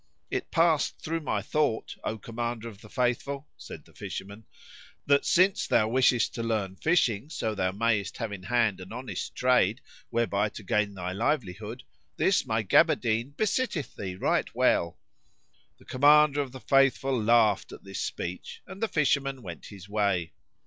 "It passed through my thought, O Commander of the Faithful," said the fisherman, "that, since thou wishest to learn fishing so thou mayest have in hand an honest trade whereby to gain thy livelihood, this my gaberdine besitteth thee right well."[FN#57] The Commander of the Faithful laughed at this speech, and the fisherman went his way.